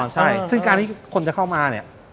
ใช่ซึ่งการที่คนจะเข้ามาเนี่ย